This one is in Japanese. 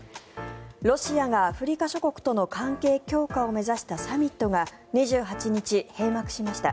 ロシアがアフリカ諸国との関係強化を目指したサミットが２８日、閉幕しました。